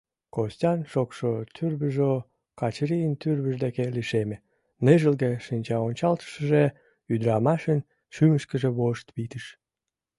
Костян шокшо тӱрвыжӧ Качырийын тӱрвыж деке лишеме, ныжылге шинчаончалтышыже ӱдрамашын шӱмышкыжӧ вошт витыш.